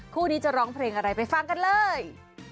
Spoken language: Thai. คู่นี้จะร้องเพลงอะไรไปฟังกันเลย